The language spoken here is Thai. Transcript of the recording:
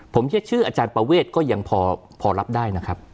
ผมเชื่อชื่ออาจารย์ประเวทก็ยังพอรับได้นะครับ